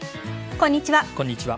こんにちは。